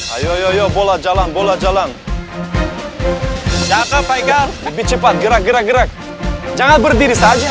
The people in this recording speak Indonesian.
ayo ayo bola jalan bola jalan jatuh faigar lebih cepat gerak gerak jangan berdiri saja